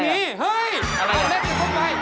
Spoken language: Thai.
นี่ไม่มีเฮ้ย